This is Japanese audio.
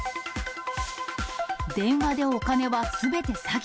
電話でお金はすべて詐欺。